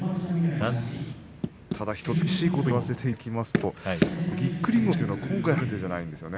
ただ１つ、厳しいことを言わせていただきますとぎっくり腰というのは今回初めてじゃないんですよね